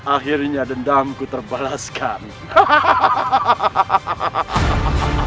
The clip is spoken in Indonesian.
akhirnya dendamku terbalaskan hahaha